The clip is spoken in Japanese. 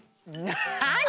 なに？